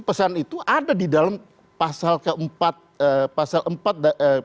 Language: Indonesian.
pesan itu ada di dalam pasal keempat